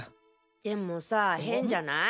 でもさ変じゃない？